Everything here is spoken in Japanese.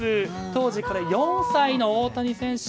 当時４歳の大谷選手。